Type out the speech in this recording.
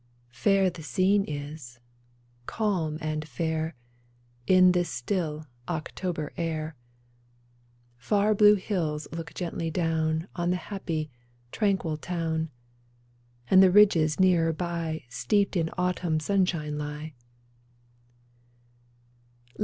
Fair the scene is, calm and fair, In this still October air ; Far blue hills look gently down On the happy, tranquil town, And the ridges nearer by Steeped in autumn sunshine lie.